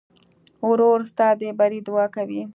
ورور ستا د بري دعا کوي.